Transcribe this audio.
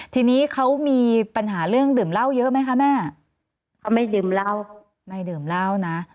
ทีนี้เขามีปัญหาเรื่องดื่มเหล้าเยอะไหมคะแม่เขาไม่ดื่มเหล้าไม่ดื่มเหล้านะ